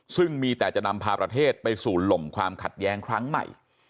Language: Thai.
ซึ่งมีแต่จะนำพาประเทศไปสู่ลมความขัดแย้งครั้งใหม่